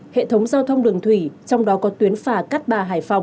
hệ thống giao thông đường thủy trong đó có tuyến phà cát bà hải phòng